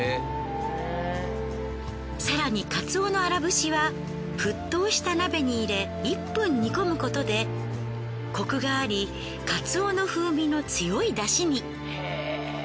更に鰹の荒節は沸騰した鍋に入れ１分煮込むことでコクがあり鰹の風味の強い出汁に。